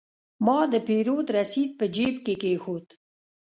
ما د پیرود رسید په جیب کې کېښود.